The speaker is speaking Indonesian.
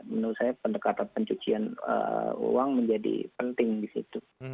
menurut saya pendekatan pencucian uang menjadi penting di situ